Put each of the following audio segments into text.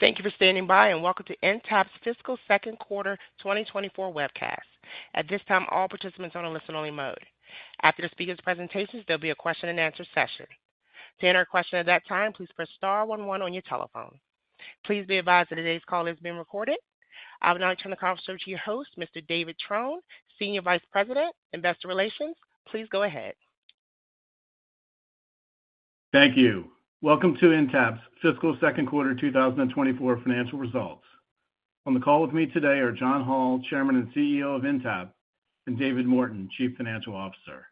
Thank you for standing by, and welcome to Intapp's fiscal Q2 2024 webcast. At this time, all participants are on a listen-only mode. After the speakers' presentations, there'll be a question-and-answer session. To enter a question at that time, please press star one one on your telephone. Please be advised that today's call is being recorded. I would now turn the conference over to your host, Mr. David Trone, Senior Vice President, Investor Relations. Please go ahead. Thank you. Welcome to Intapp's fiscal Q2 2024 financial results. On the call with me today are John Hall, Chairman and CEO of Intapp, and David Morton, Chief Financial Officer.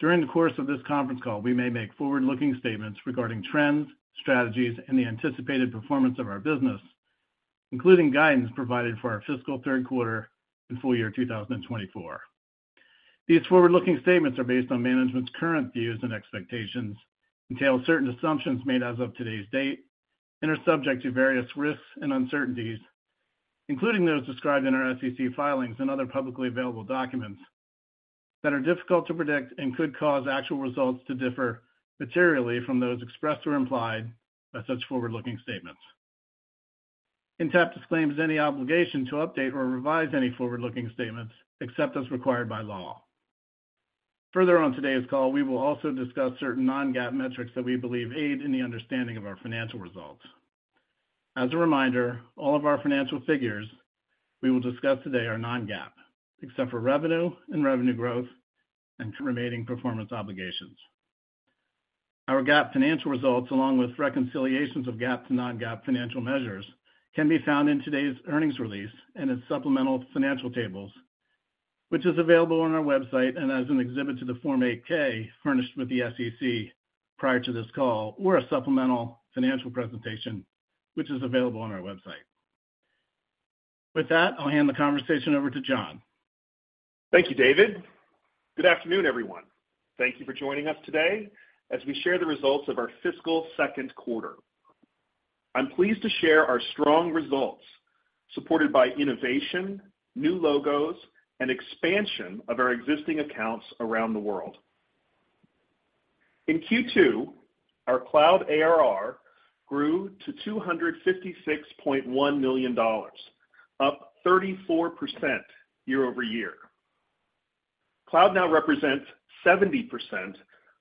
During the course of this conference call, we may make forward-looking statements regarding trends, strategies, and the anticipated performance of our business, including guidance provided for our fiscal third quarter and full year 2024. These forward-looking statements are based on management's current views and expectations, entail certain assumptions made as of today's date, and are subject to various risks and uncertainties, including those described in our SEC filings and other publicly available documents that are difficult to predict and could cause actual results to differ materially from those expressed or implied by such forward-looking statements. Intapp disclaims any obligation to update or revise any forward-looking statements except as required by law. Further, on today's call, we will also discuss certain non-GAAP metrics that we believe aid in the understanding of our financial results. As a reminder, all of our financial figures we will discuss today are non-GAAP, except for revenue and revenue growth and remaining performance obligations. Our GAAP financial results, along with reconciliations of GAAP to non-GAAP financial measures, can be found in today's earnings release and its supplemental financial tables, which is available on our website and as an exhibit to the Form 8-K furnished with the SEC prior to this call, or a supplemental financial presentation, which is available on our website. With that, I'll hand the conversation over to John. Thank you, David. Good afternoon, everyone. Thank you for joining us today as we share the results of our fiscal Q2. I'm pleased to share our strong results, supported by innovation, new logos, and expansion of our existing accounts around the world. In Q2, our cloud ARR grew to $256.1 million, up 34% year over year. Cloud now represents 70%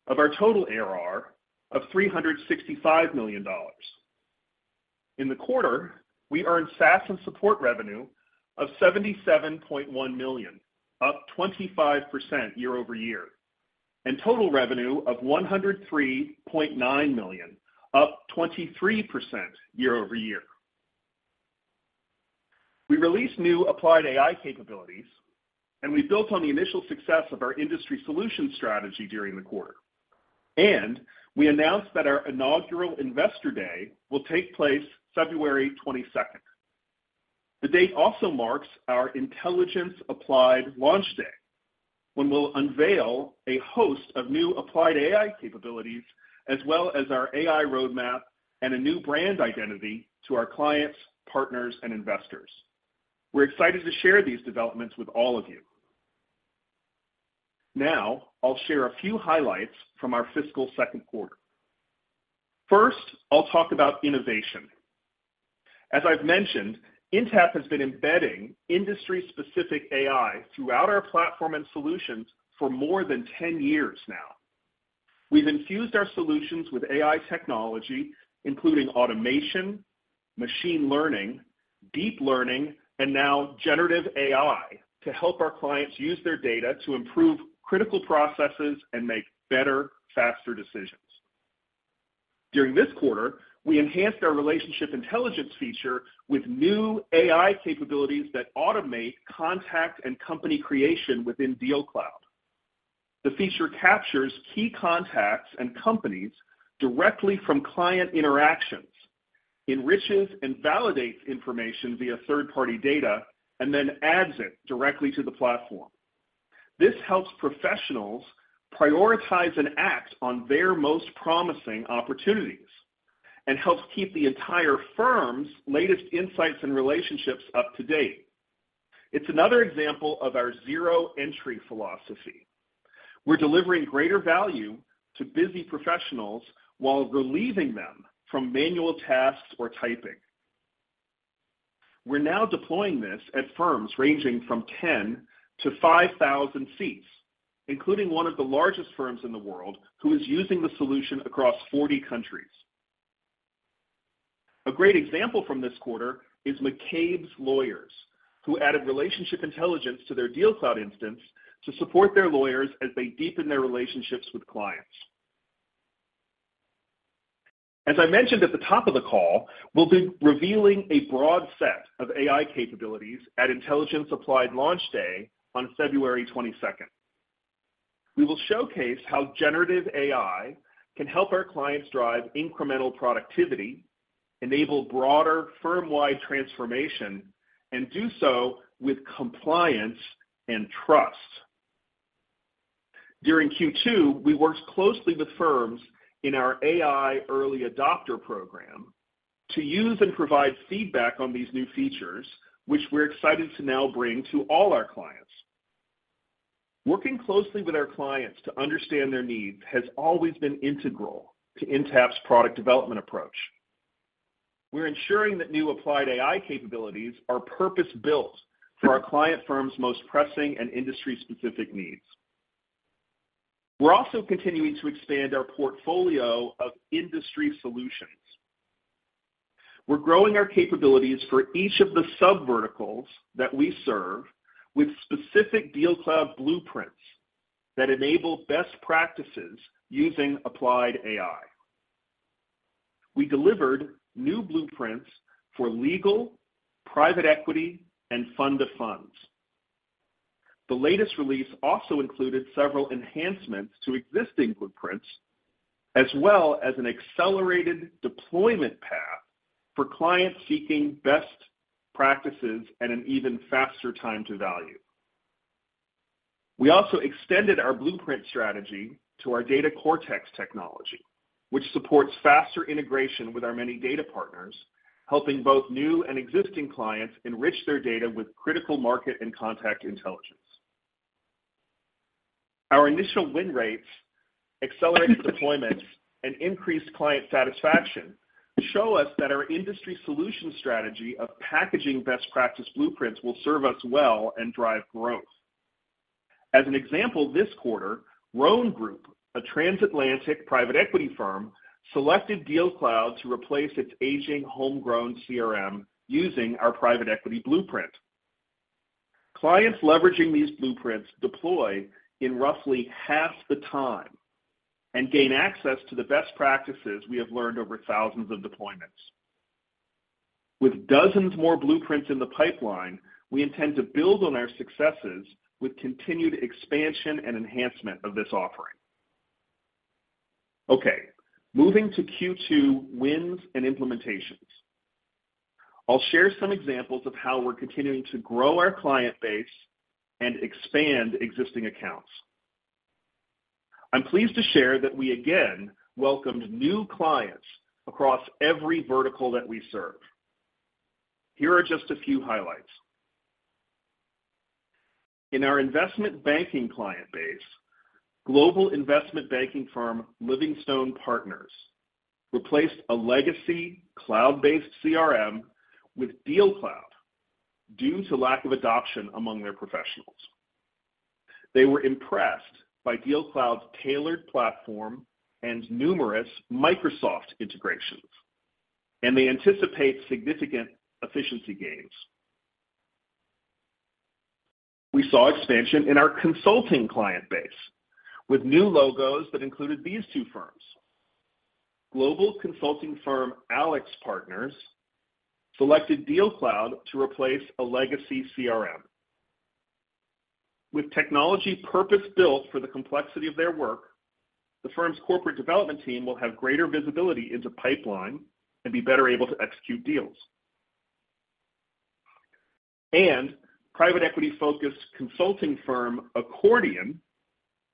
of our total ARR of $365 million. In the quarter, we earned SaaS and support revenue of $77.1 million, up 25% year over year, and total revenue of $103.9 million, up 23% year over year. We released new Applied AI capabilities, and we built on the initial success of our industry solution strategy during the quarter. We announced that our inaugural Investor Day will take place February 22nd. The date also marks our Intelligence Applied Launch Day, when we'll unveil a host of new applied AI capabilities, as well as our AI roadmap and a new brand identity to our clients, partners, and investors. We're excited to share these developments with all of you. Now, I'll share a few highlights from our fiscal Q2. First, I'll talk about innovation. As I've mentioned, Intapp has been embedding industry-specific AI throughout our platform and solutions for more than 10 years now. We've infused our solutions with AI technology, including automation, machine learning, deep learning, and now generative AI, to help our clients use their data to improve critical processes and make better, faster decisions. During this quarter, we enhanced our relationship intelligence feature with new AI capabilities that automate contact and company creation within Deal Cloud. The feature captures key contacts and companies directly from client interactions, enriches and validates information via third-party data, and then adds it directly to the platform. This helps professionals prioritize and act on their most promising opportunities and helps keep the entire firm's latest insights and relationships up to date. It's another example of our zero entry philosophy. We're delivering greater value to busy professionals while relieving them from manual tasks or typing. We're now deploying this at firms ranging from 10 to 5,000 seats, including one of the largest firms in the world, who is using the solution across 40 countries. A great example from this quarter is McCabe's Lawyers, who added relationship intelligence to their Deal Cloud instance to support their lawyers as they deepen their relationships with clients. As I mentioned at the top of the call, we'll be revealing a broad set of AI capabilities at Intelligence Applied Launch Day on 22 February. We will showcase how generative AI can help our clients drive incremental productivity, enable broader firm-wide transformation, and do so with compliance and trust. During Q2, we worked closely with firms in our AI Early Adopter Program to use and provide feedback on these new features, which we're excited to now bring to all our clients. Working closely with our clients to understand their needs has always been integral to Intapp's product development approach. We're ensuring that new applied AI capabilities are purpose-built for our client firms' most pressing and industry-specific needs. We're also continuing to expand our portfolio of industry solutions. We're growing our capabilities for each of the subverticals that we serve, with specific Deal Cloud blueprints that enable best practices using Applied AI. We delivered new blueprints for legal, private equity, and fund of funds. The latest release also included several enhancements to existing blueprints, as well as an accelerated deployment path for clients seeking best practices and an even faster time to value. We also extended our blueprint strategy to our Data Cortex technology, which supports faster integration with our many data partners, helping both new and existing clients enrich their data with critical market and contact intelligence. Our initial win rates, accelerated deployments, and increased client satisfaction show us that our industry solution strategy of packaging best practice blueprints will serve us well and drive growth. As an example, this quarter, Ropes & Gray, a transatlantic private equity firm, selected Deal Cloud to replace its aging homegrown CRM using our private equity blueprint. Clients leveraging these blueprints deploy in roughly half the time and gain access to the best practices we have learned over thousands of deployments. With dozens more blueprints in the pipeline, we intend to build on our successes with continued expansion and enhancement of this offering. Okay, moving to Q2 wins and implementations. I'll share some examples of how we're continuing to grow our client base and expand existing accounts. I'm pleased to share that we again welcomed new clients across every vertical that we serve. Here are just a few highlights. In our investment banking client base, global investment banking firm Livingstone Partners, replaced a legacy cloud-based CRM with Deal Cloud due to lack of adoption among their professionals. They were impressed by Deal Cloud's tailored platform and numerous Microsoft integrations, and they anticipate significant efficiency gains. We saw expansion in our consulting client base with new logos that included these two firms. Global consulting firm AlixPartners selected Deal Cloud to replace a legacy CRM. With technology purpose-built for the complexity of their work, the firm's corporate development team will have greater visibility into pipeline and be better able to execute deals. Private equity-focused consulting firm, Accordion,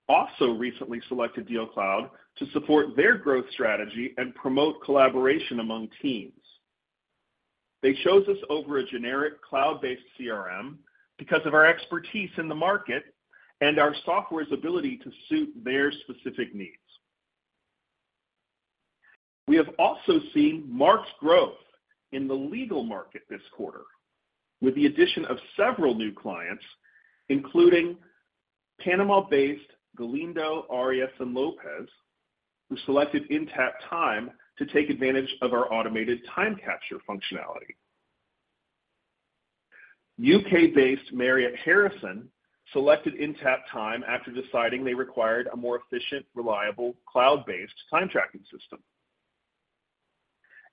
also recently selected Deal Cloud to support their growth strategy and promote collaboration among teams. They chose us over a generic cloud-based CRM because of our expertise in the market and our software's ability to suit their specific needs. We have also seen marked growth in the legal market this quarter, with the addition of several new clients, including Panama-based Galindo, Arias & López, who selected Intapp Time to take advantage of our automated time capture functionality. U.K.-based Marriott Harrison selected Intapp Time after deciding they required a more efficient, reliable, cloud-based time tracking system.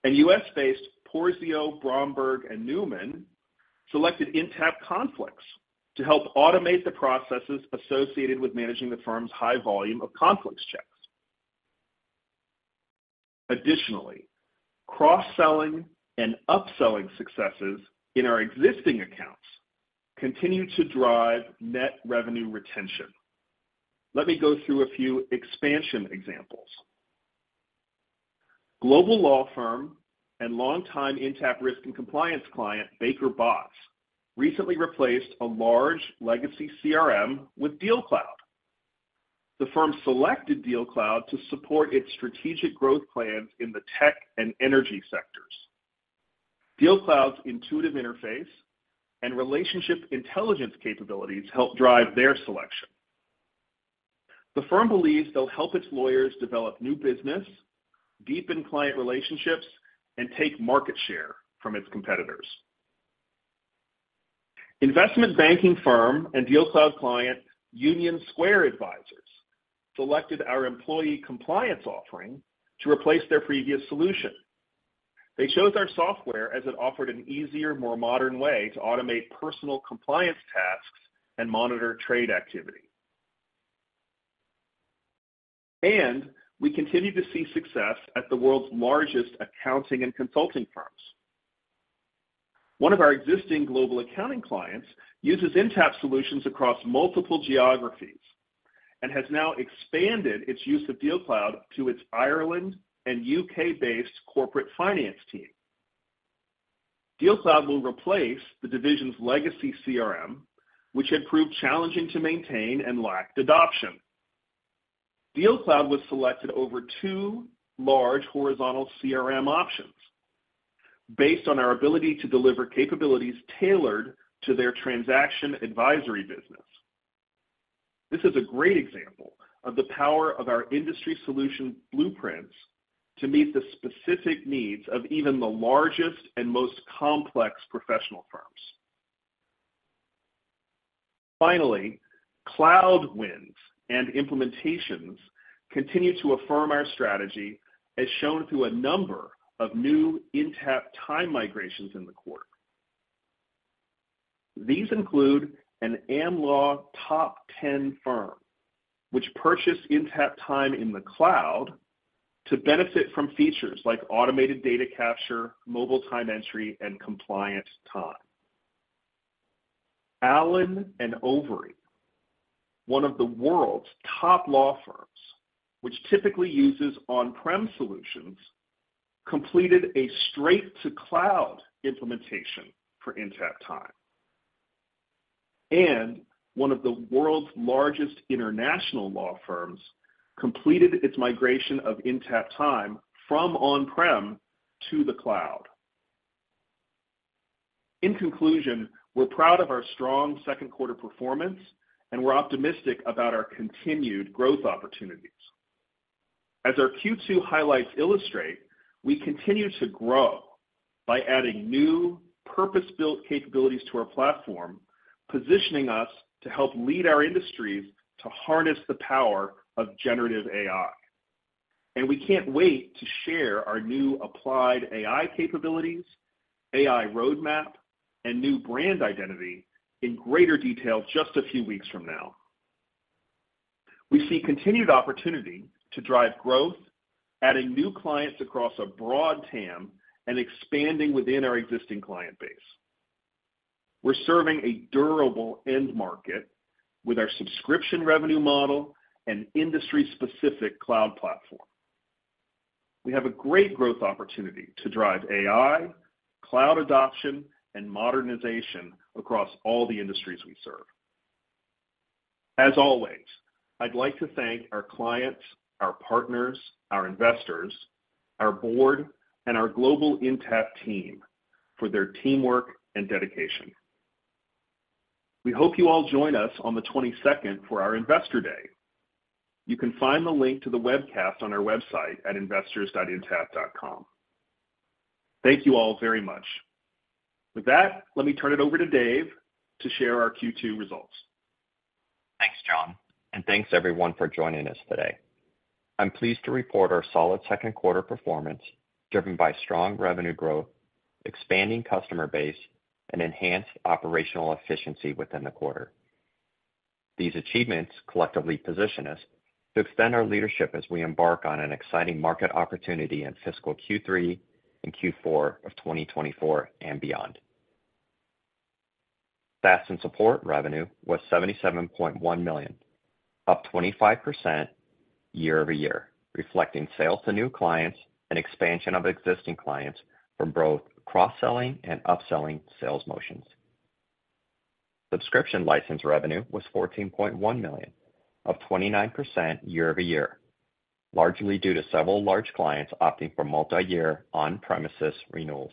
U.S.-based Porzio, Bromberg & Newman selected Intapp Conflicts to help automate the processes associated with managing the firm's high volume of conflicts checks. Additionally, cross-selling and upselling successes in our existing accounts continue to drive net revenue retention. Let me go through a few expansion examples. Global law firm and longtime Intapp risk and compliance client, Baker Botts, recently replaced a large legacy CRM with Deal Cloud. The firm selected Deal Cloud to support its strategic growth plans in the tech and energy sectors. Deal Cloud's intuitive interface and relationship intelligence capabilities helped drive their selection. The firm believes they'll help its lawyers develop new business, deepen client relationships, and take market share from its competitors. Investment banking firm and Deal Cloud client, Union Square Advisors, selected our employee compliance offering to replace their previous solution. They chose our software as it offered an easier, more modern way to automate personal compliance tasks and monitor trade activity. We continue to see success at the world's largest accounting and consulting firms. One of our existing global accounting clients uses Intapp solutions across multiple geographies and has now expanded its use of Deal Cloud to its Ireland and UK-based corporate finance team. Deal Cloud will replace the division's legacy CRM, which had proved challenging to maintain and lacked adoption. Deal Cloud was selected over two large horizontal CRM options based on our ability to deliver capabilities tailored to their transaction advisory business. This is a great example of the power of our industry solution blueprints to meet the specific needs of even the largest and most complex professional firms. Finally, cloud wins and implementations continue to affirm our strategy, as shown through a number of new Intapp Time migrations in the quarter. These include an Am Law top 10 firm, which purchased Intapp Time in the cloud to benefit from features like automated data capture, mobile time entry, and compliance time. Allen & Overy, one of the world's top law firms, which typically uses on-prem solutions, completed a straight-to-cloud implementation for Intapp Time. One of the world's largest international law firms completed its migration of Intapp Time from on-prem to the cloud. In conclusion, we're proud of our strong Q2 performance, and we're optimistic about our continued growth opportunities. As our Q2 highlights illustrate, we continue to grow by adding new purpose-built capabilities to our platform, positioning us to help lead our industries to harness the power of Generative AI, and we can't wait to share our new Applied AI capabilities, AI roadmap, and new brand identity in greater detail just a few weeks from now. We see continued opportunity to drive growth, adding new clients across a broad TAM and expanding within our existing client base. We're serving a durable end market with our subscription revenue model and industry-specific cloud platform. We have a great growth opportunity to drive AI, cloud adoption, and modernization across all the industries we serve. As always, I'd like to thank our clients, our partners, our investors, our board, and our global Intapp team for their teamwork and dedication. We hope you all join us on the 22nd for our Investor Day. You can find the link to the webcast on our website at investors.intapp.com. Thank you all very much. With that, let me turn it over to Dave to share our Q2 results. Thanks, John, and thanks, everyone, for joining us today. I'm pleased to report our solid Q2 performance, driven by strong revenue growth, expanding customer base, and enhanced operational efficiency within the quarter. These achievements collectively position us to extend our leadership as we embark on an exciting market opportunity in fiscal Q3 and Q4 of 2024 and beyond. SaaS and support revenue was $77.1 million, up 25% year-over-year, reflecting sales to new clients and expansion of existing clients from both cross-selling and upselling sales motions. Subscription license revenue was $14.1 million, up 29% year-over-year, largely due to several large clients opting for multiyear on-premises renewals.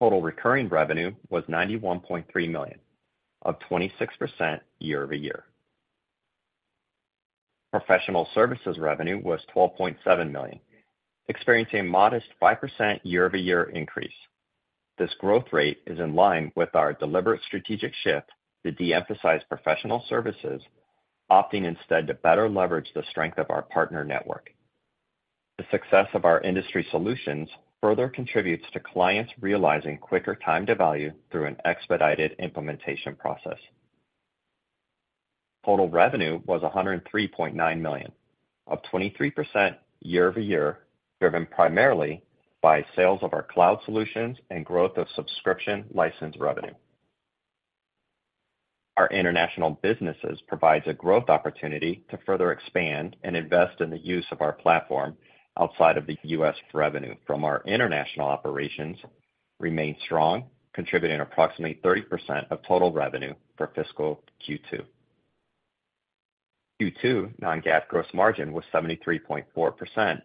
Total recurring revenue was $91.3 million, up 26% year-over-year. Professional services revenue was $12.7 million, experiencing a modest 5% year-over-year increase. This growth rate is in line with our deliberate strategic shift to de-emphasize professional services, opting instead to better leverage the strength of our partner network. The success of our industry solutions further contributes to clients realizing quicker time to value through an expedited implementation process. Total revenue was $103.9 million, up 23% year-over-year, driven primarily by sales of our cloud solutions and growth of subscription license revenue. Our international businesses provides a growth opportunity to further expand and invest in the use of our platform outside of the U.S. Revenue from our international operations remained strong, contributing approximately 30% of total revenue for fiscal Q2. Q2 non-GAAP gross margin was 73.4%,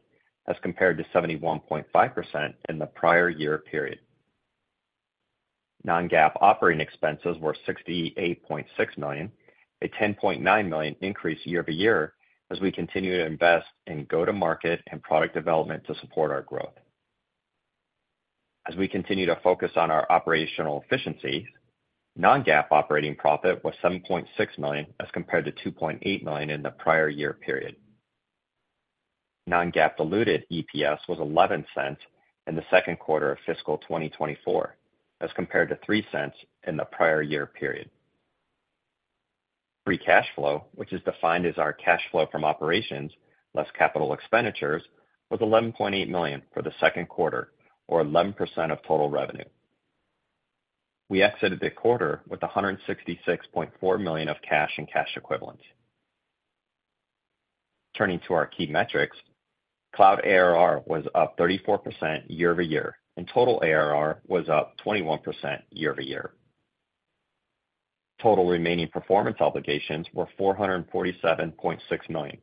as compared to 71.5% in the prior year period. Non-GAAP operating expenses were $68.6 million, a $10.9 million increase year-over-year, as we continue to invest in go-to-market and product development to support our growth. As we continue to focus on our operational efficiencies, non-GAAP operating profit was $7.6 million, as compared to $2.8 million in the prior year period. Non-GAAP diluted EPS was $0.11 in the Q2 of fiscal 2024, as compared to $0.03 in the prior year period. Free cash flow, which is defined as our cash flow from operations less capital expenditures, was $11.8 million for the Q2 or 11% of total revenue. We exited the quarter with $166.4 million of cash and cash equivalents.... Turning to our key metrics, cloud ARR was up 34% year-over-year, and total ARR was up 21% year-over-year. Total remaining performance obligations were $447.6 million,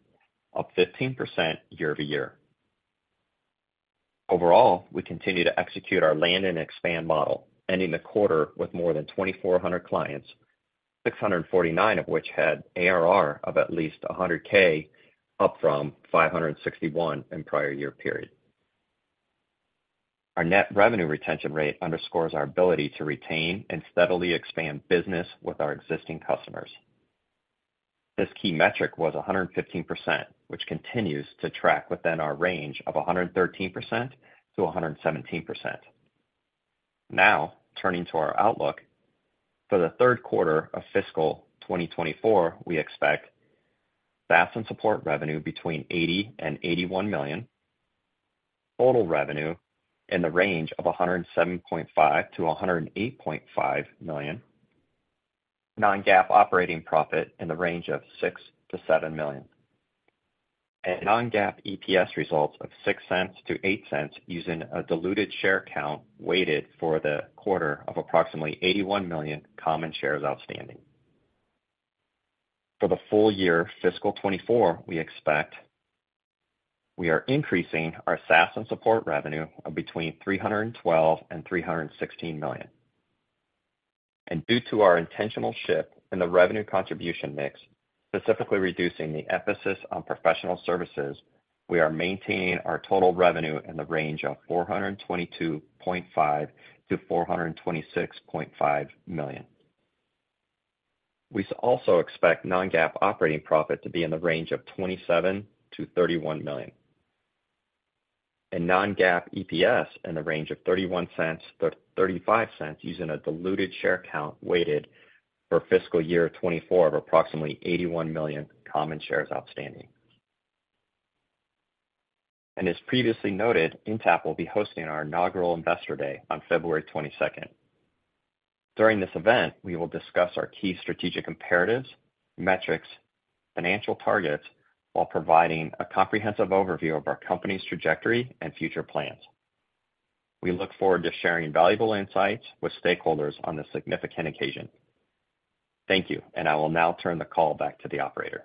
up 15% year-over-year. Overall, we continue to execute our land and expand model, ending the quarter with more than 2,400 clients, 649 of which had ARR of at least 100K, up from 561 in prior year period. Our net revenue retention rate underscores our ability to retain and steadily expand business with our existing customers. This key metric was 115%, which continues to track within our range of 113%-117%. Now, turning to our outlook. For the third quarter of fiscal 2024, we expect SaaS and support revenue between $80 million and $81 million, total revenue in the range of $107.5 million-$108.5 million, non-GAAP operating profit in the range of $6 million-$7 million, and non-GAAP EPS results of $0.06-$0.08, using a diluted share count weighted for the quarter of approximately 81 million common shares outstanding. For the full year fiscal 2024, we expect we are increasing our SaaS and support revenue of between $312 million and $316 million. Due to our intentional shift in the revenue contribution mix, specifically reducing the emphasis on professional services, we are maintaining our total revenue in the range of $422.5 million-$426.5 million. We also expect non-GAAP operating profit to be in the range of $27 million-$31 million, and non-GAAP EPS in the range of $0.31-$0.35, using a diluted share count weighted for fiscal year 2024 of approximately 81 million common shares outstanding. As previously noted, Intapp will be hosting our inaugural Investor Day on February 22. During this event, we will discuss our key strategic imperatives, metrics, financial targets, while providing a comprehensive overview of our company's trajectory and future plans. We look forward to sharing valuable insights with stakeholders on this significant occasion. Thank you, and I will now turn the call back to the operator.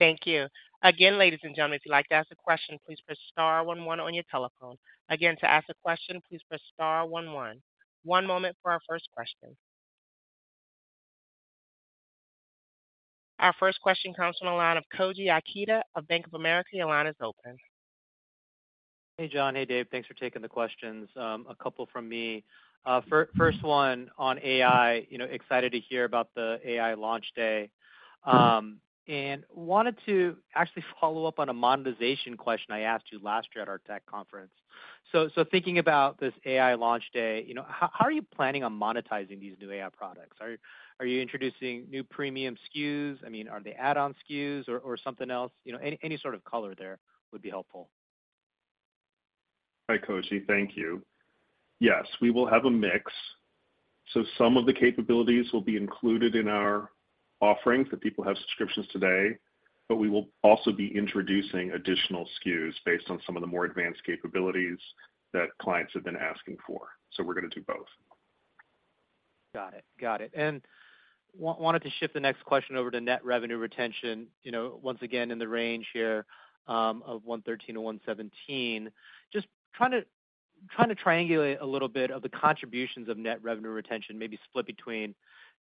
Thank you. Again, ladies and gentlemen, if you'd like to ask a question, please press star one one on your telephone. Again, to ask a question, please press star one one. One moment for our first question. Our first question comes from the line of Koji Ikuta of Bank of America. Your line is open. Hey, John. Hey, Dave. Thanks for taking the questions. A couple from me. First one on AI, you know, excited to hear about the AI launch day, and wanted to actually follow up on a monetization question I asked you last year at our tech conference. So thinking about this AI launch day, you know, how are you planning on monetizing these new AI products? Are you introducing new premium SKUs? I mean, are they add-on SKUs or something else? You know, any sort of color there would be helpful. Hi, Koji. Thank you. Yes, we will have a mix. So some of the capabilities will be included in our offerings that people have subscriptions today, but we will also be introducing additional SKUs based on some of the more advanced capabilities that clients have been asking for. So we're gonna do both. Got it. Got it. Wanted to shift the next question over to net revenue retention. You know, once again, in the range here of 113-117. Just trying to triangulate a little bit of the contributions of net revenue retention, maybe split between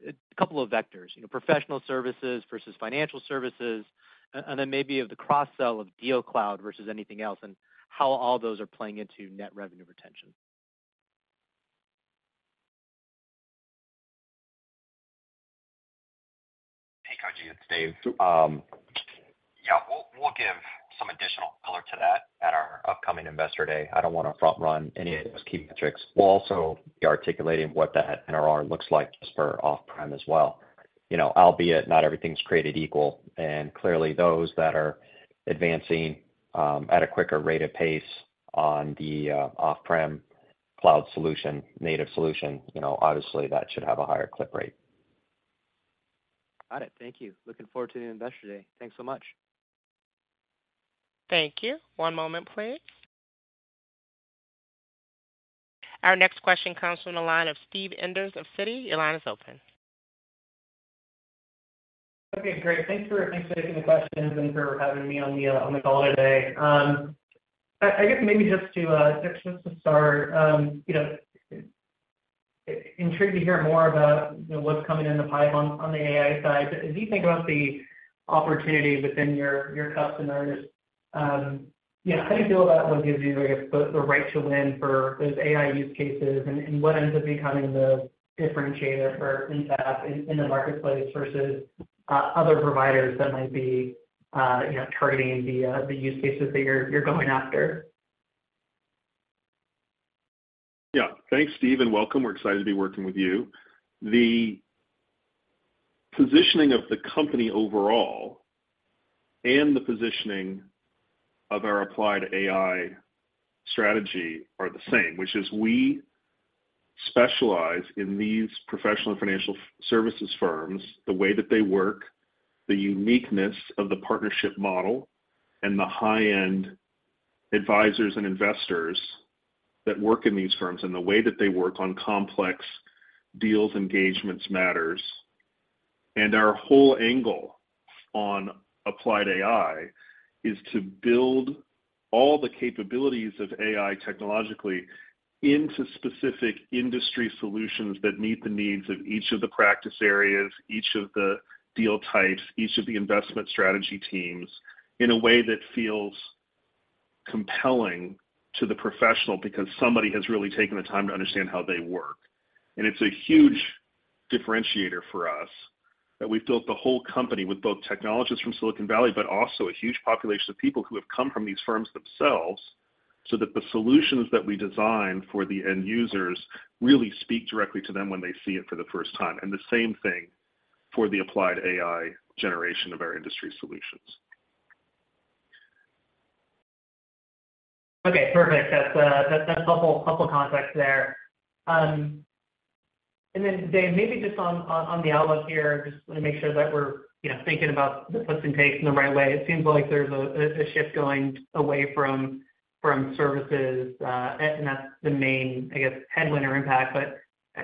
a couple of vectors, you know, professional services versus financial services, and then maybe of the cross-sell of DealCloud versus anything else, and how all those are playing into net revenue retention. Hey, Koji, it's Dave. Yeah, we'll, we'll give some additional color to that at our upcoming Investor Day. I don't want to front run any of those key metrics. We'll also be articulating what that NRR looks like just for off-prem as well. You know, albeit not everything's created equal, and clearly, those that are advancing at a quicker rate of pace on the off-prem cloud solution, native solution, you know, obviously, that should have a higher click rate. Got it. Thank you. Looking forward to the Investor Day. Thanks so much. Thank you. One moment, please. Our next question comes from the line of Steve Enders of Citi. Your line is open. Okay, great. Thanks for taking the questions and for having me on the call today. I guess maybe just to start, you know, intrigued to hear more about, you know, what's coming in the pipe on the AI side. As you think about the opportunity within your customers, yeah, how do you feel about what gives you, I guess, the right to win for those AI use cases? And what ends up becoming the differentiator for Intapp in the marketplace versus other providers that might be, you know, targeting the use cases that you're going after? Yeah. Thanks, Steve, and welcome. We're excited to be working with you. The positioning of the company overall and the positioning of our Applied AI strategy are the same, which is we specialize in these professional and financial services firms, the way that they work, the uniqueness of the partnership model, and the high-end advisors and investors that work in these firms, and the way that they work on complex deals, engagements, matters. Our whole angle on Applied AI is to build all the capabilities of AI technologically into specific industry solutions that meet the needs of each of the practice areas, each of the deal types, each of the investment strategy teams, in a way that feels compelling to the professional because somebody has really taken the time to understand how they work. It's a huge differentiator for us that we've built the whole company with both technologists from Silicon Valley, but also a huge population of people who have come from these firms themselves, so that the solutions that we design for the end users really speak directly to them when they see it for the first time, and the same thing for the Applied AI generation of our industry solutions. Okay, perfect. That's helpful context there. And then, Dave, maybe just on the outlook here, just wanna make sure that we're, you know, thinking about the puts and takes in the right way. It seems like there's a shift going away from services, and that's the main, I guess, headwind or impact. But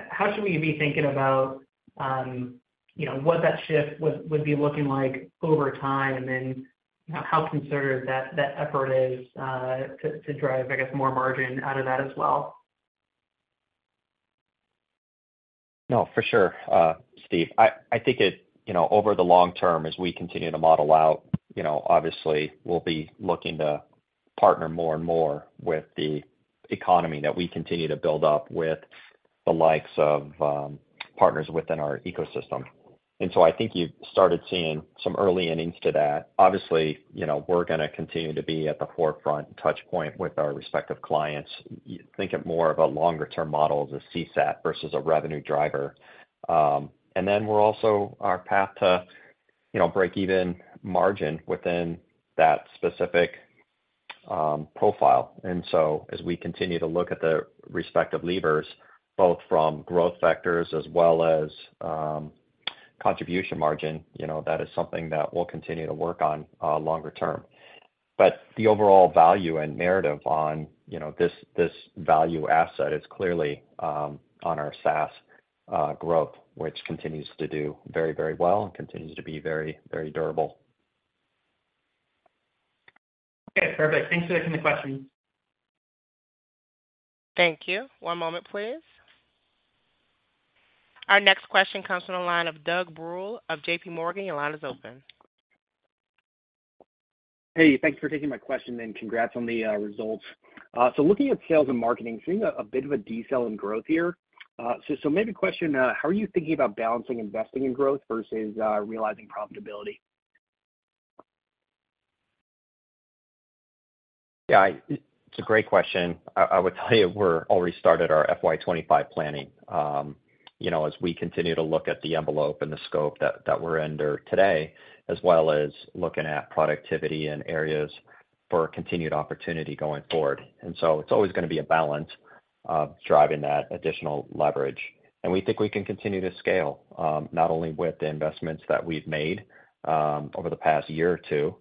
how should we be thinking about, you know, what that shift would be looking like over time, and then, you know, how considered that effort is to drive, I guess, more margin out of that as well? No, for sure, Steve. I think it, you know, over the long term, as we continue to model out, you know, obviously we'll be looking to partner more and more with the economy that we continue to build up with the likes of, partners within our ecosystem. And so I think you've started seeing some early innings to that. Obviously, you know, we're gonna continue to be at the forefront and touch point with our respective clients. Think of more of a longer-term model as a CSAT versus a revenue driver. And then we're also our path to, you know, break even margin within that specific, profile. And so as we continue to look at the respective levers, both from growth vectors as well as, contribution margin, you know, that is something that we'll continue to work on, longer term. But the overall value and narrative on, you know, this, this value asset is clearly on our SaaS growth, which continues to do very, very well and continues to be very, very durable. Okay, perfect. Thanks for taking the question. Thank you. One moment, please. Our next question comes from the line of Doug Bruhl of JPMorgan. Your line is open. Hey, thanks for taking my question, and congrats on the results. So looking at sales and marketing, seeing a bit of a decel in growth here. So maybe question, how are you thinking about balancing investing in growth versus realizing profitability? Yeah, it's a great question. I, I would tell you, we're already started our FY 2025 planning. You know, as we continue to look at the envelope and the scope that we're under today, as well as looking at productivity and areas for continued opportunity going forward. And so it's always gonna be a balance of driving that additional leverage. And we think we can continue to scale, not only with the investments that we've made, over the past year or two,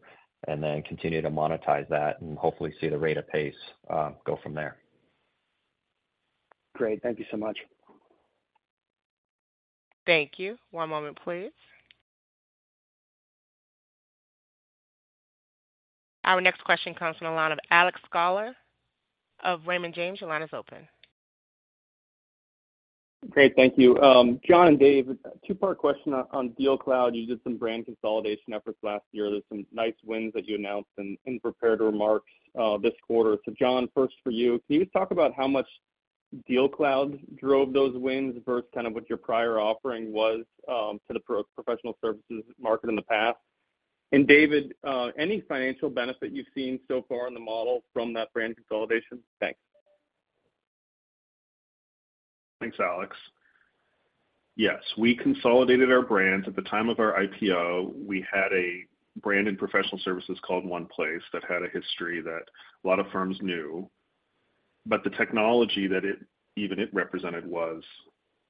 and then continue to monetize that and hopefully see the rate of pace go from there. Great. Thank you so much. Thank you. One moment, please. Our next question comes from the line of Alex Sklar of Raymond James. Your line is open. Great, thank you. John and Dave, two-part question on Deal Cloud. You did some brand consolidation efforts last year. There's some nice wins that you announced in prepared remarks this quarter. So John, first for you, can you talk about how much Deal Cloud drove those wins versus kind of what your prior offering was to the professional services market in the past? And David, any financial benefit you've seen so far in the model from that brand consolidation? Thanks. Thanks, Alex. Yes, we consolidated our brands. At the time of our IPO, we had a brand in professional services called OnePlace that had a history that a lot of firms knew, but the technology that it represented was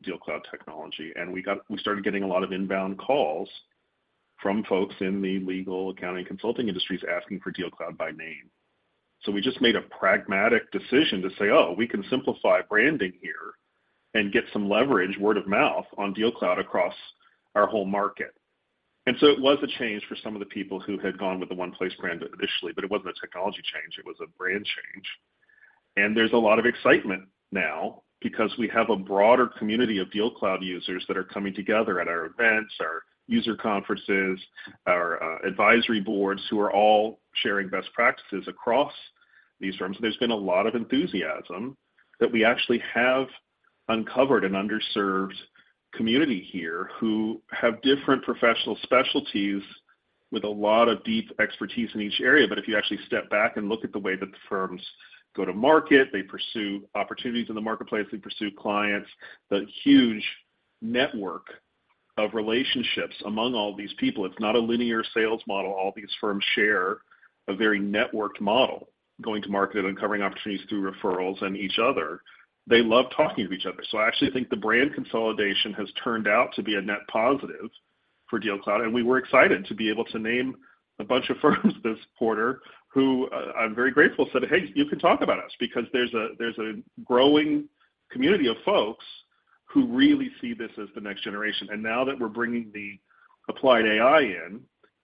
Deal Cloud technology. And we started getting a lot of inbound calls from folks in the legal, accounting, consulting industries asking for Deal Cloud by name. So we just made a pragmatic decision to say, "Oh, we can simplify branding here and get some leverage, word of mouth, on Deal Cloud across our whole market." And so it was a change for some of the people who had gone with the OnePlace brand initially, but it wasn't a technology change, it was a brand change. There's a lot of excitement now because we have a broader community of Deal Cloud users that are coming together at our events, our user conferences, our advisory boards, who are all sharing best practices across these firms. There's been a lot of enthusiasm that we actually have uncovered an underserved community here who have different professional specialties with a lot of deep expertise in each area. But if you actually step back and look at the way that the firms go to market, they pursue opportunities in the marketplace, they pursue clients, the huge network of relationships among all these people. It's not a linear sales model. All these firms share a very networked model, going to market and uncovering opportunities through referrals and each other. They love talking to each other. So I actually think the brand consolidation has turned out to be a net positive for DealCloud, and we were excited to be able to name a bunch of firms this quarter, who, I'm very grateful, said, "Hey, you can talk about us," because there's a, there's a growing community of folks who really see this as the next generation. And now that we're bringing the applied AI in,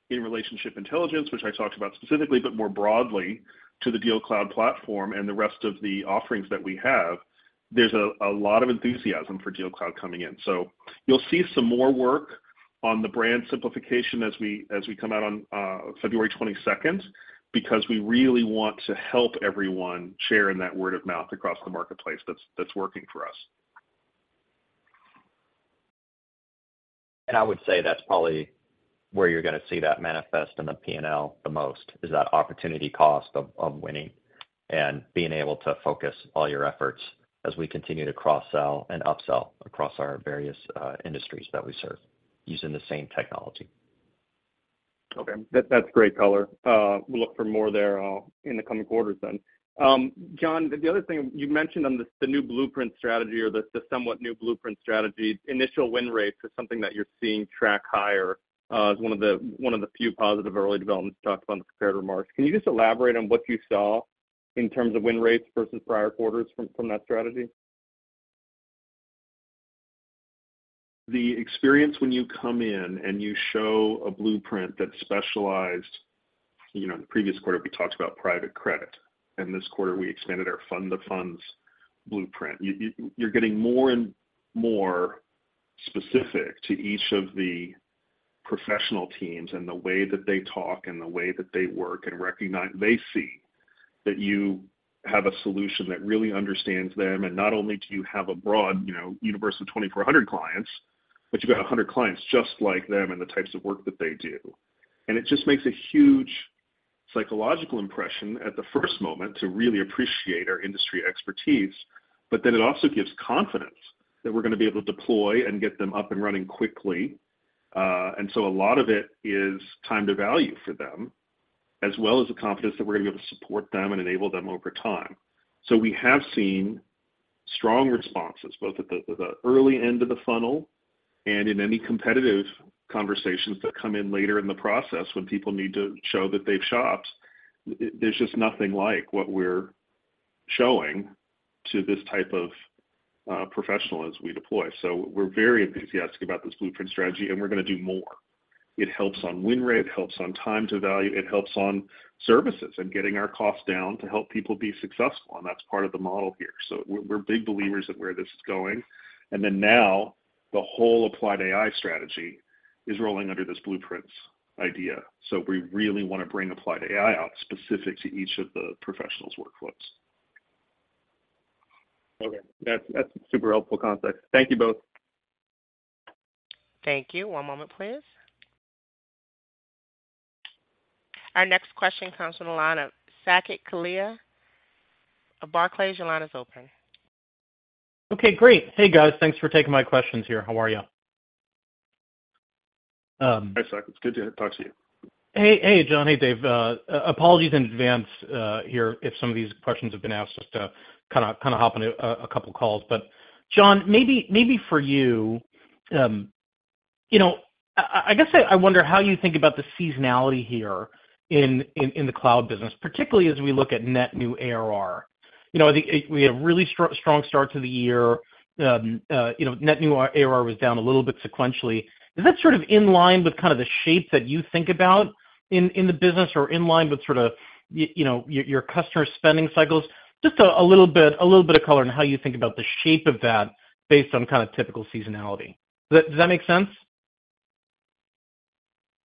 in relationship intelligence, which I talked about specifically, but more broadly to the DealCloud platform and the rest of the offerings that we have, there's a, a lot of enthusiasm for DealCloud coming in. So you'll see some more work on the brand simplification as we, as we come out on, 22 February, because we really want to help everyone share in that word of mouth across the marketplace that's, that's working for us. I would say that's probably where you're gonna see that manifest in the P&L the most, is that opportunity cost of winning and being able to focus all your efforts as we continue to cross-sell and upsell across our various industries that we serve using the same technology. Okay. That's great color. We'll look for more there in the coming quarters then. John, the other thing, you mentioned on the new blueprint strategy or the somewhat new blueprint strategy, initial win rates is something that you're seeing track higher, as one of the few positive early developments you talked about in the prepared remarks. Can you just elaborate on what you saw in terms of win rates versus prior quarters from that strategy? The experience when you come in and you show a blueprint that's specialized... You know, in the previous quarter, we talked about private credit, and this quarter we expanded our fund-of-funds blueprint. You, you, you're getting more and more specific to each of the professional teams and the way that they talk and the way that they work and They see that you have a solution that really understands them, and not only do you have a broad, you know, universe of 2,400 clients, but you've got 100 clients just like them and the types of work that they do. And it just makes a huge psychological impression at the first moment to really appreciate our industry expertise, but then it also gives confidence that we're gonna be able to deploy and get them up and running quickly. And so a lot of it is time to value for them, as well as the confidence that we're gonna be able to support them and enable them over time. So we have seen strong responses, both at the early end of the funnel and in any competitive conversations that come in later in the process when people need to show that they've shopped. There's just nothing like what we're showing to this type of professional as we deploy. So we're very enthusiastic about this blueprint strategy, and we're gonna do more. It helps on win rate, it helps on time to value, it helps on services and getting our costs down to help people be successful, and that's part of the model here. So we're big believers in where this is going. And then now the whole Applied AI strategy is rolling under this blueprints idea, so we really want to bring Applied AI out specific to each of the professionals' workflows. Okay. That's, that's super helpful context. Thank you both. Thank you. One moment, please. Our next question comes from the line of Saket Kalia of Barclays. Your line is open. Okay, great. Hey, guys, thanks for taking my questions here. How are you? Hi, Saket. It's good to talk to you. Hey, hey, John. Hey, Dave. Apologies in advance here, if some of these questions have been asked. Just kinda hopping a couple calls. But John, maybe for you, you know, I guess I wonder how you think about the seasonality here in the cloud business, particularly as we look at net new ARR. You know, we had a really strong start to the year. You know, net new ARR was down a little bit sequentially. Is that sort of in line with kind of the shape that you think about in the business or in line with sort of you know, your customer spending cycles? Just a little bit of color on how you think about the shape of that based on kind of typical seasonality. Does that make sense?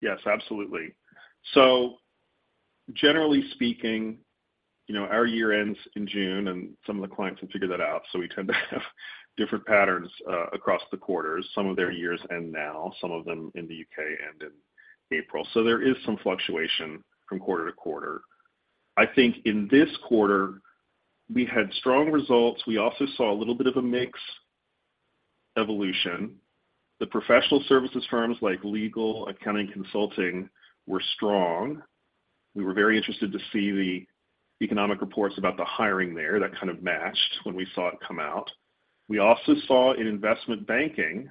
Yes, absolutely. So generally speaking, you know, our year ends in June, and some of the clients have figured that out, so we tend to have different patterns across the quarters. Some of their years end now, some of them in the UK end in April. So there is some fluctuation from quarter-to-quarter. I think in this quarter we had strong results. We also saw a little bit of a mix evolution. The professional services firms like legal, accounting, consulting, were strong. We were very interested to see the economic reports about the hiring there. That kind of matched when we saw it come out. We also saw in investment banking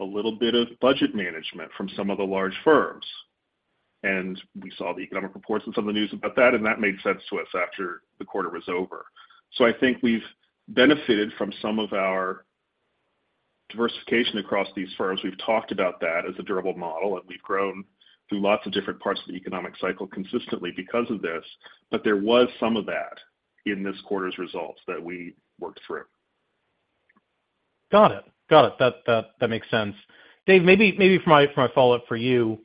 a little bit of budget management from some of the large firms, and we saw the economic reports and some of the news about that, and that made sense to us after the quarter was over. I think we've benefited from some of our diversification across these firms. We've talked about that as a durable model, and we've grown through lots of different parts of the economic cycle consistently because of this. But there was some of that in this quarter's results that we worked through. Got it. Got it. That makes sense. Dave, maybe for my follow-up for you,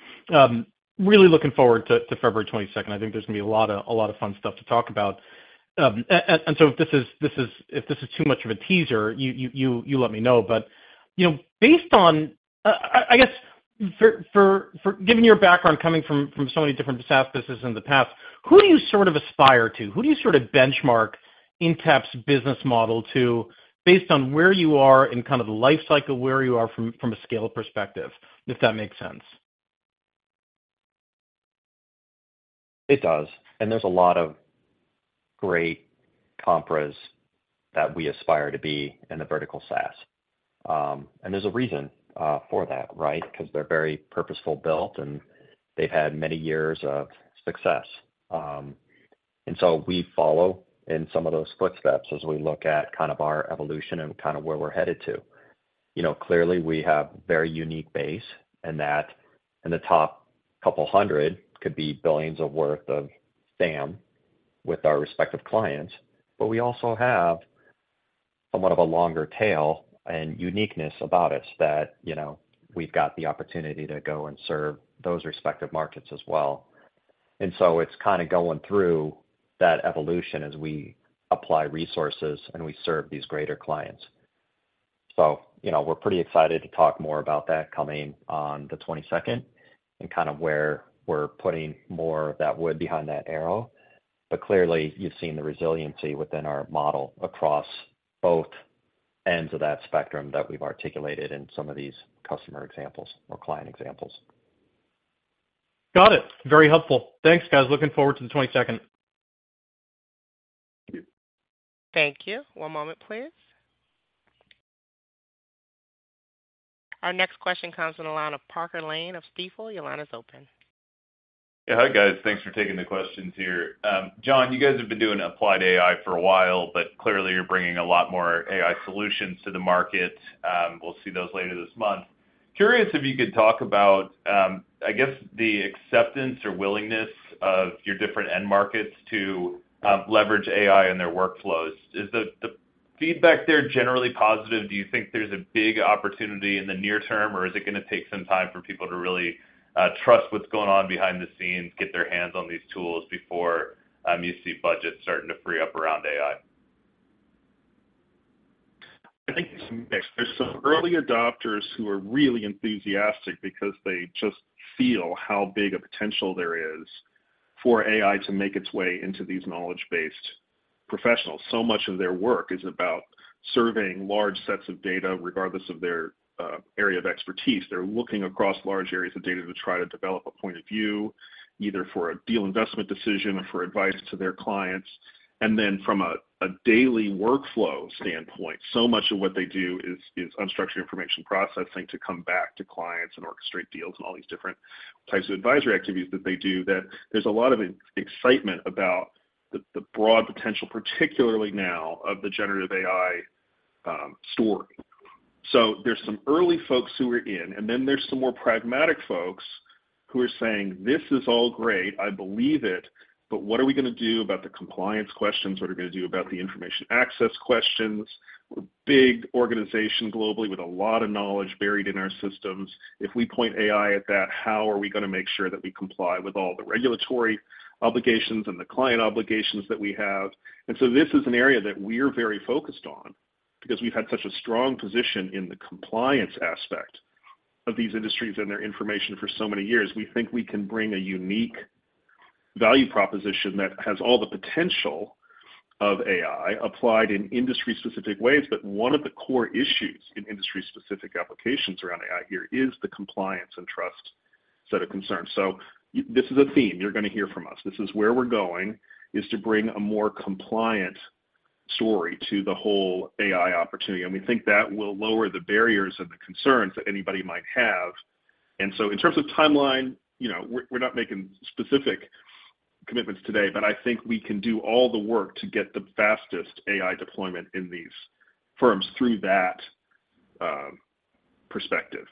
really looking forward to February twenty-second. I think there's gonna be a lot of fun stuff to talk about. And so if this is too much of a teaser, you let me know. But you know, based on, I guess, given your background coming from so many different SaaS businesses in the past, who do you sort of aspire to? Who do you sort of benchmark Intapp's business model to, based on where you are in kind of the life cycle, where you are from a scale perspective, if that makes sense? It does, and there's a lot of great comparables that we aspire to be in the Vertical SaaS. And there's a reason for that, right? Because they're very purposefully built, and they've had many years of success. And so we follow in some of those footsteps as we look at kind of our evolution and kind of where we're headed to. You know, clearly, we have very unique base, and that in the top couple hundred could be billions worth of SAM with our respective clients, but we also have somewhat of a longer tail and uniqueness about us that, you know, we've got the opportunity to go and serve those respective markets as well. And so it's kinda going through that evolution as we apply resources and we serve these greater clients. So, you know, we're pretty excited to talk more about that coming on the twenty-second and kind of where we're putting more of that wood behind that arrow. But clearly, you've seen the resiliency within our model across both ends of that spectrum that we've articulated in some of these customer examples or client examples. Got it. Very helpful. Thanks, guys. Looking forward to the 22nd. Thank you. One moment, please. Our next question comes on the line of Parker Lane of Stifel. Your line is open. Yeah, hi, guys. Thanks for taking the questions here. John, you guys have been doing Applied AI for a while, but clearly you're bringing a lot more AI solutions to the market. We'll see those later this month. Curious if you could talk about, I guess, the acceptance or willingness of your different end markets to leverage AI in their workflows. Is the feedback there generally positive? Do you think there's a big opportunity in the near term, or is it gonna take some time for people to really trust what's going on behind the scenes, get their hands on these tools before you see budgets starting to free up around AI? I think it's a mix. There's some early adopters who are really enthusiastic because they just feel how big a potential there is for AI to make its way into these knowledge-based professionals. So much of their work is about surveying large sets of data, regardless of their area of expertise. They're looking across large areas of data to try to develop a point of view, either for a deal investment decision or for advice to their clients. And then from a daily workflow standpoint, so much of what they do is unstructured information processing to come back to clients and orchestrate deals and all these different types of advisory activities that they do, that there's a lot of excitement about the broad potential, particularly early now, of the generative AI story. So there's some early folks who are in, and then there's some more pragmatic folks who are saying, "This is all great. I believe it, but what are we gonna do about the compliance questions? What are we gonna do about the information access questions? We're a big organization globally with a lot of knowledge buried in our systems. If we point AI at that, how are we gonna make sure that we comply with all the regulatory obligations and the client obligations that we have?" And so this is an area that we're very focused on because we've had such a strong position in the compliance aspect of these industries and their information for so many years. We think we can bring a unique value proposition that has all the potential of AI applied in industry-specific ways. But one of the core issues in industry-specific applications around AI here is the compliance and trust set of concerns. So this is a theme you're gonna hear from us. This is where we're going, is to bring a more compliant story to the whole AI opportunity. And we think that will lower the barriers and the concerns that anybody might have. And so in terms of timeline, you know, we're, we're not making specific commitments today, but I think we can do all the work to get the fastest AI deployment in these firms through that perspective.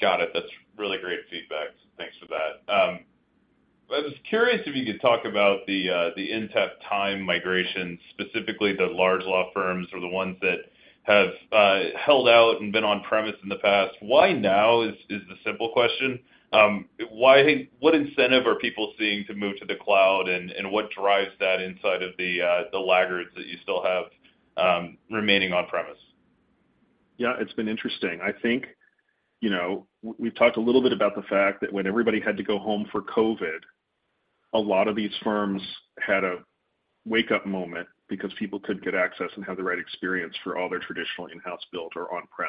Got it. That's really great feedback. Thanks for that. I was curious if you could talk about the Intapp Time migration, specifically the large law firms or the ones that have held out and been on-premises in the past. Why now is the simple question? Why, what incentive are people seeing to move to the cloud, and what drives that inside of the laggards that you still have remaining on-premises? Yeah, it's been interesting. I think, you know, we've talked a little bit about the fact that when everybody had to go home for COVID, a lot of these firms had a wake-up moment because people couldn't get access and have the right experience for all their traditional in-house built or on-prem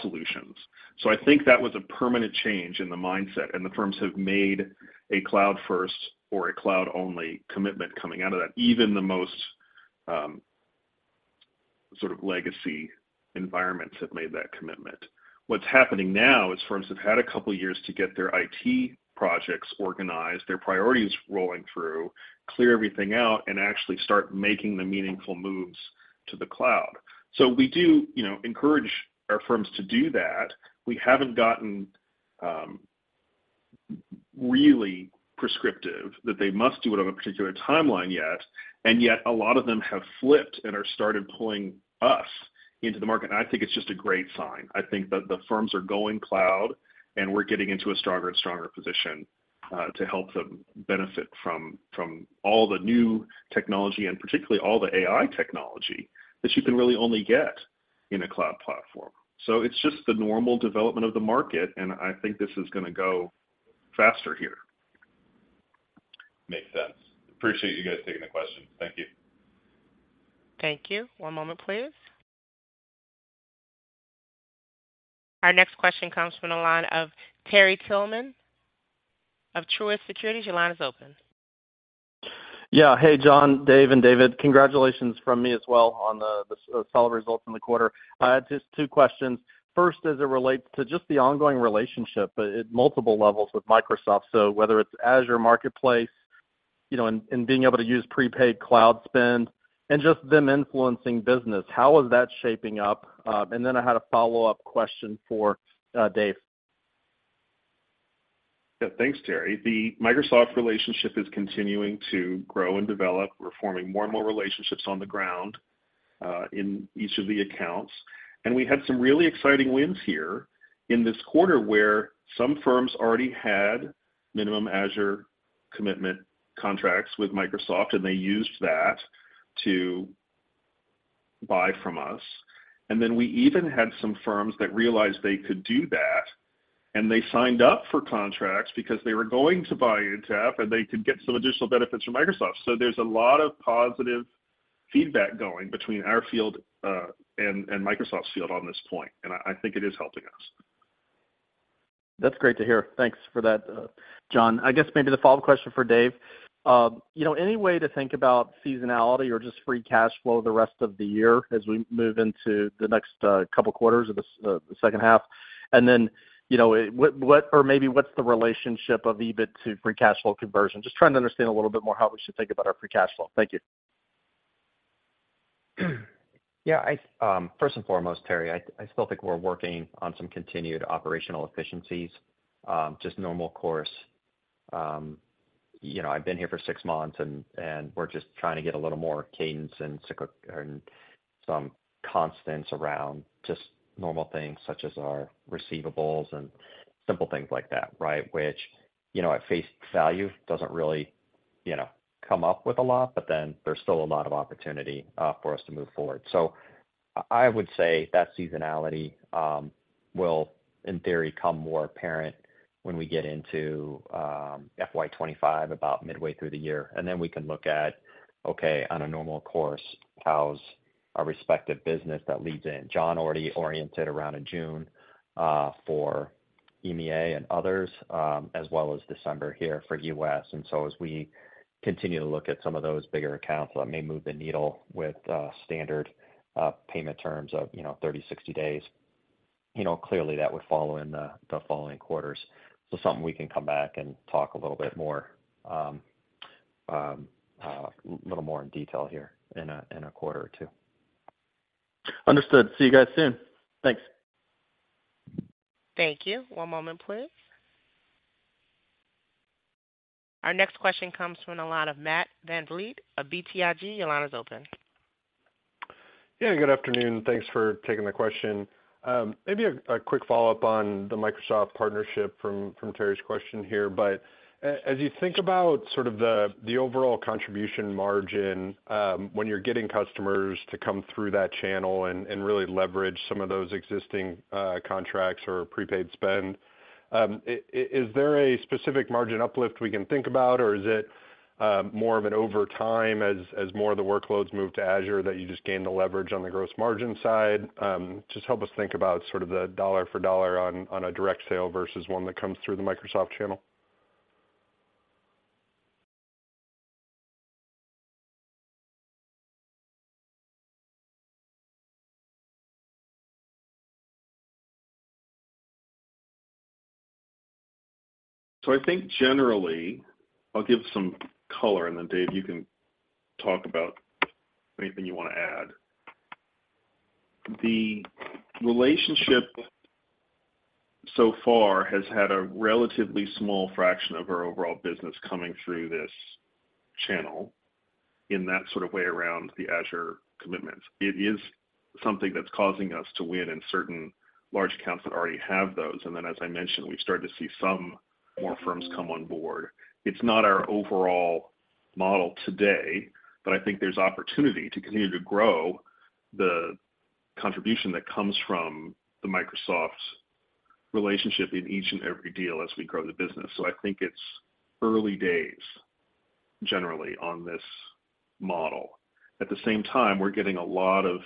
solutions. So I think that was a permanent change in the mindset, and the firms have made a cloud-first or a cloud-only commitment coming out of that. Even the most, sort of legacy environments have made that commitment. What's happening now is firms have had a couple of years to get their IT projects organized, their priorities rolling through, clear everything out, and actually start making the meaningful moves to the cloud. So we do, you know, encourage our firms to do that. We haven't gotten really prescriptive that they must do it on a particular timeline yet, and yet a lot of them have flipped and are started pulling us into the market, and I think it's just a great sign. I think that the firms are going cloud, and we're getting into a stronger and stronger position to help them benefit from, from all the new technology, and particularly all the AI technology, that you can really only get in a cloud platform. So it's just the normal development of the market, and I think this is gonna go faster here. Makes sense. Appreciate you guys taking the question. Thank you. Thank you. One moment, please. Our next question comes from the line of Terry Tillman of Truist Securities. Your line is open. Yeah. Hey, John, Dave, and David. Congratulations from me as well on the solid results in the quarter. I had just two questions. First, as it relates to just the ongoing relationship at multiple levels with Microsoft. So whether it's Azure Marketplace, you know, and being able to use prepaid cloud spend and just them influencing business, how is that shaping up? And then I had a follow-up question for Dave. Yeah, thanks, Terry. The Microsoft relationship is continuing to grow and develop. We're forming more and more relationships on the ground in each of the accounts. We had some really exciting wins here in this quarter, where some firms already had minimum Azure commitment contracts with Microsoft, and they used that to buy from us. Then we even had some firms that realized they could do that, and they signed up for contracts because they were going to buy into F, and they could get some additional benefits from Microsoft. So there's a lot of positive feedback going between our field and Microsoft's field on this point, and I think it is helping us. That's great to hear. Thanks for that, John. I guess maybe the follow-up question for Dave. You know, any way to think about seasonality or just free cash flow the rest of the year as we move into the next couple quarters of the second half? And then, you know, what-- or maybe what's the relationship of EBIT to free cash flow conversion? Just trying to understand a little bit more how we should think about our free cash flow. Thank you. Yeah, I, first and foremost, Terry, I, I still think we're working on some continued operational efficiencies, just normal course. You know, I've been here for six months, and, and we're just trying to get a little more cadence and some constants around just normal things, such as our receivables and simple things like that, right? Which, you know, at face value, doesn't really, you know, come up with a lot, but then there's still a lot of opportunity for us to move forward. So I would say that seasonality will, in theory, come more apparent when we get into FY 25, about midway through the year. And then we can look at, okay, on a normal course, how's our respective business that leads in? John already oriented around in June for EMEA and others, as well as December here for US. And so as we continue to look at some of those bigger accounts, that may move the needle with standard payment terms of, you know, 30, 60 days. You know, clearly, that would follow in the following quarters. So something we can come back and talk a little bit more, a little more in detail here in a quarter or two. Understood. See you guys soon. Thanks. Thank you. One moment, please. Our next question comes from the line of Matt Van Fleet of BTIG. Your line is open. Yeah, good afternoon, and thanks for taking the question. Maybe a quick follow-up on the Microsoft partnership from Terry's question here. But as you think about sort of the overall contribution margin, when you're getting customers to come through that channel and really leverage some of those existing contracts or prepaid spend, is there a specific margin uplift we can think about, or is it more of an over time as more of the workloads move to Azure, that you just gain the leverage on the gross margin side? Just help us think about sort of the dollar for dollar on a direct sale versus one that comes through the Microsoft channel. So I think generally... I'll give some color, and then Dave, you can talk about anything you wanna add. The relationship so far has had a relatively small fraction of our overall business coming through this channel in that sort of way around the Azure commitment. It is something that's causing us to win in certain large accounts that already have those. And then, as I mentioned, we've started to see some more firms come on board. It's not our overall model today, but I think there's opportunity to continue to grow the contribution that comes from the Microsoft relationship in each and every deal as we grow the business. So I think it's early days, generally, on this model. At the same time, we're getting a lot of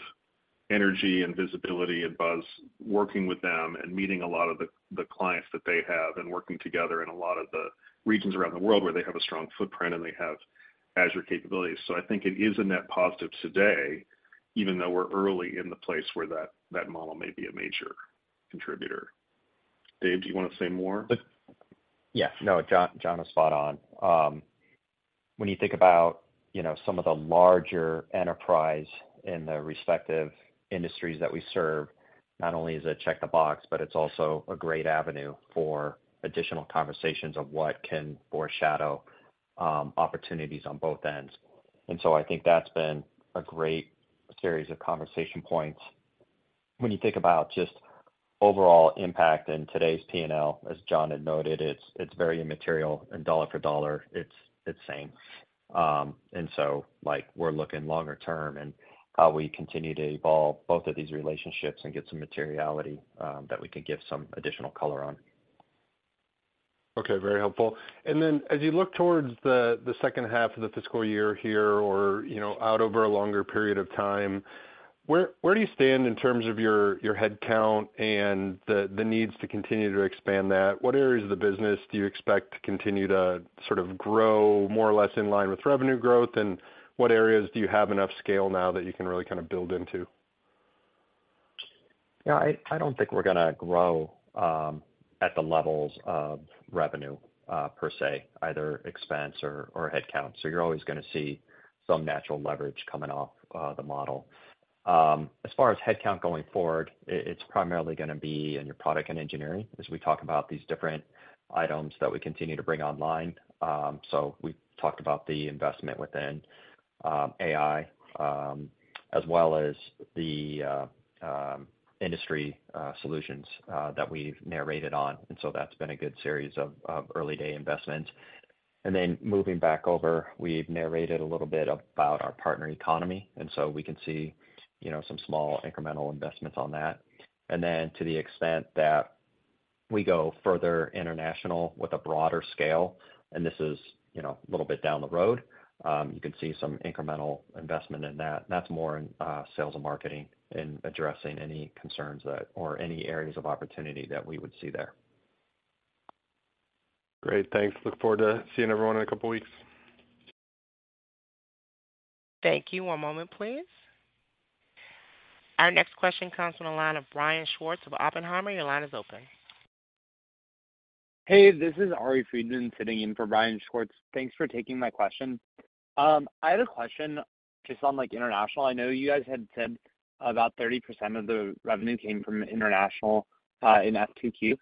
energy and visibility and buzz working with them and meeting a lot of the clients that they have, and working together in a lot of the regions around the world where they have a strong footprint, and they have Azure capabilities. So I think it is a net positive today, even though we're early in the place where that model may be a major contributor. Dave, do you wanna say more? Yeah. No, John, John is spot on. When you think about, you know, some of the larger enterprise in the respective industries that we serve, not only is it check the box, but it's also a great avenue for additional conversations of what can foreshadow opportunities on both ends. And so I think that's been a great series of conversation points. When you think about just overall impact in today's PNL, as John had noted, it's very immaterial, and dollar for dollar, it's same. And so, like, we're looking longer term and how we continue to evolve both of these relationships and get some materiality that we could give some additional color on. Okay, very helpful. And then as you look towards the second half of the fiscal year here, or, you know, out over a longer period of time, where do you stand in terms of your headcount and the needs to continue to expand that? What areas of the business do you expect to continue to sort of grow more or less in line with revenue growth? And what areas do you have enough scale now that you can really kind of build into? Yeah, I don't think we're gonna grow at the levels of revenue per se, either expense or headcount. So you're always gonna see some natural leverage coming off the model. As far as headcount going forward, it's primarily gonna be in your product and engineering as we talk about these different items that we continue to bring online. So we talked about the investment within AI as well as the industry solutions that we've narrated on, and so that's been a good series of early-day investments. And then moving back over, we've narrated a little bit about our partner economy, and so we can see, you know, some small incremental investments on that. And then to the extent that we go further international with a broader scale, and this is, you know, a little bit down the road, you can see some incremental investment in that. That's more in, sales and marketing in addressing any concerns that or any areas of opportunity that we would see there. Great, thanks. Look forward to seeing everyone in a couple weeks. Thank you. One moment, please. Our next question comes from the line of Brian Schwartz of Oppenheimer. Your line is open. Hey, this is Ari Friedman sitting in for Brian Schwartz. Thanks for taking my question. I had a question just on, like, international. I know you guys had said about 30% of the revenue came from international in FQ2.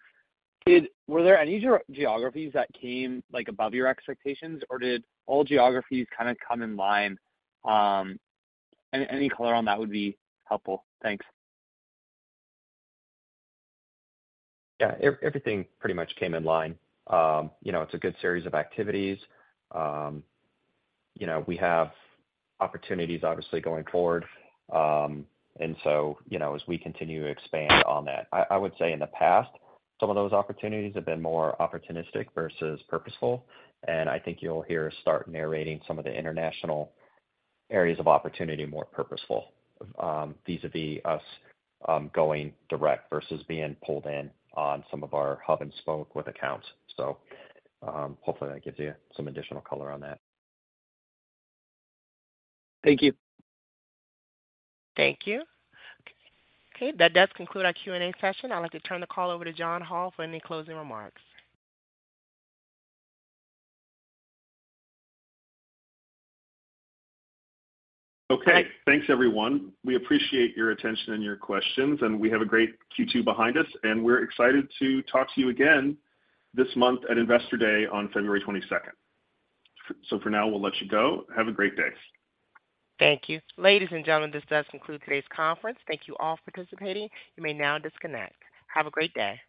Were there any geographies that came, like, above your expectations, or did all geographies kind of come in line? Any color on that would be helpful. Thanks. Yeah, everything pretty much came in line. You know, it's a good series of activities. You know, we have opportunities obviously going forward, and so, you know, as we continue to expand on that. I would say in the past, some of those opportunities have been more opportunistic versus purposeful, and I think you'll hear us start narrating some of the international areas of opportunity more purposeful, vis-a-vis us, going direct versus being pulled in on some of our hub and spoke with accounts. So, hopefully, that gives you some additional color on that. Thank you. Thank you. Okay, that does conclude our Q&A session. I'd like to turn the call over to John Hall for any closing remarks. Okay, thanks, everyone. We appreciate your attention and your questions, and we have a great Q2 behind us, and we're excited to talk to you again this month at Investor Day on 22 February. So for now, we'll let you go. Have a great day. Thank you. Ladies and gentlemen, this does conclude today's conference. Thank you all for participating. You may now disconnect. Have a great day.